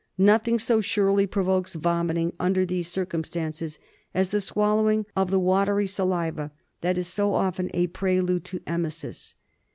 Nothing so surely provokes vomiting under these circumstances as the swallowing of the watery saliva that is so often a prelude to emesis.